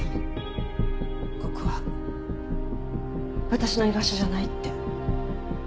ここは私の居場所じゃないって。